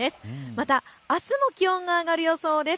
またあすも気温が上がる予想です。